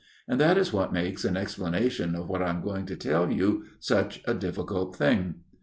And that is what makes an explanation of what I am going to tell you such a difficult thing.